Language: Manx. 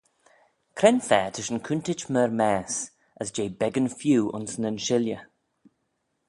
Cre'n-fa ta shin coontit myr maase, as jeh beggan feeu ayns nyn shilley?